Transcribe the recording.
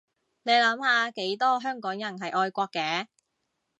你諗下幾多香港人係愛國嘅